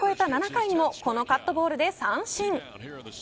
７回もこのカットボールで三振。